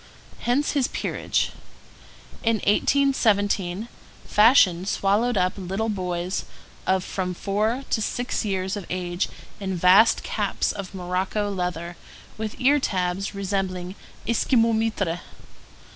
Hence his peerage. In 1817 fashion swallowed up little boys of from four to six years of age in vast caps of morocco leather with ear tabs resembling Esquimaux mitres.